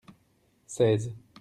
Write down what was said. seize.